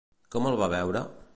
Com el va veure?